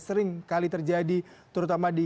sering kali terjadi terutama di